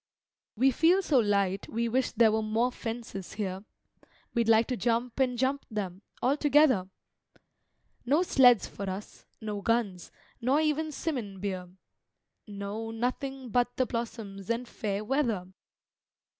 We feel so light we wish there were more fences here; We'd like to jump and jump them, all together! No sleds for us, no guns, nor even 'simmon beer, No nothin' but the blossoms and fair weather!